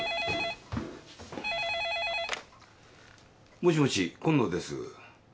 ・☎☎もしもし紺野です。